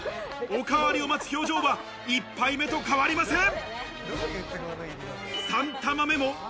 おかわりを待つ表情は１杯目と変わりません。